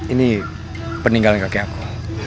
ini peninggalan kakek aku